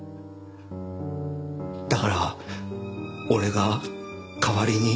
だから俺が代わりに。